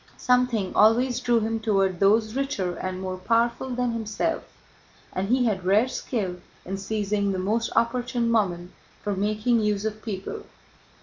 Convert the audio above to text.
Something always drew him toward those richer and more powerful than himself and he had rare skill in seizing the most opportune moment for making use of people.